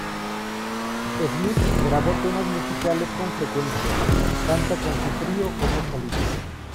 Smith grabó temas musicales con frecuencia, tanto con su trío y como solista.